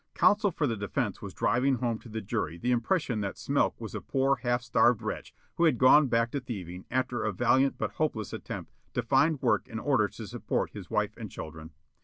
Counsel for the defense was driving home to the jury the impression that Smilk was a poor, half starved wretch who had gone back to thieving after a valiant but hopeless attempt to find work in order to support his wife and children.